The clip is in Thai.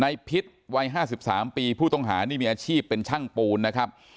พิษวัย๕๓ปีผู้ต้องหานี่มีอาชีพเป็นช่างปูนนะครับ